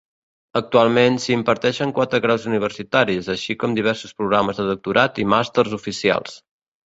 Actualment, s'hi imparteixen quatre graus universitaris, així com diversos programes de doctorat i màsters oficials.